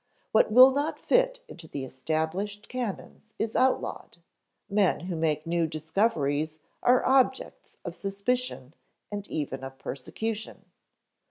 What will not fit into the established canons is outlawed; men who make new discoveries are objects of suspicion and even of persecution.